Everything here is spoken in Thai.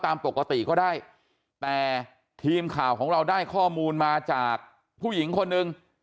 ตามปกติก็ได้แต่ทีมข่าวของเราได้ข้อมูลมาจากผู้หญิงคนหนึ่ง